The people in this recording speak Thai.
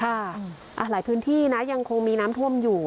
หลายพื้นที่นะยังคงมีน้ำท่วมอยู่